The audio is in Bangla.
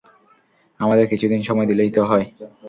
আমাদের কিছুদিন সময় দিলেই তো হয়।